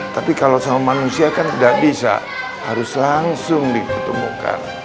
tapi kalau sama manusia kan tidak bisa harus langsung diketemukan